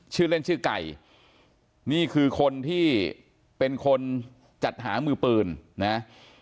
ชื่อเล่นชื่อไก่นี่คือคนที่เป็นคนจัดหามือปืนนะ